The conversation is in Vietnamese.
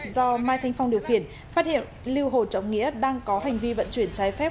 do mai thanh phong điều khiển phát hiện lưu hồ trọng nghĩa đang có hành vi vận chuyển trái phép